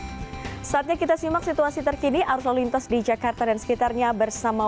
hai saatnya kita simak situasi terkini arus lalintas di jakarta dan sekitarnya bersama